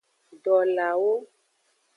Dolawo.